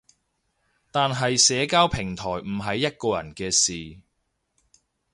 但係社交平台唔係一個人嘅事